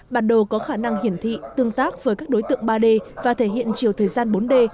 bản đồ có khả năng hiển thị tương tác với các đối tượng ba d và thể hiện chiều thời gian bốn d